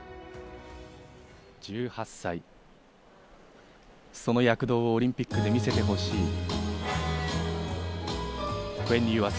１８歳、その躍動をオリンピックで見せてほしい。